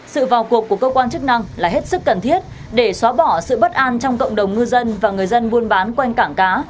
sự vào cuộc của cơ quan chức năng là hết sức cần thiết để xóa bỏ sự bất an trong cộng đồng ngư dân và người dân buôn bán quanh cảng cá